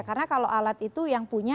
karena kalau alat itu yang punya